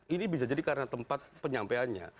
ini bisa jadi karena tempat penyampaiannya